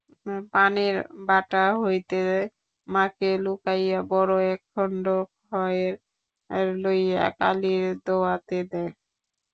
পানের বাটা হইতে মাকে লুকাইয়া বড় একখণ্ড খয়ের লইয়া কালির দোয়াতে দেয়।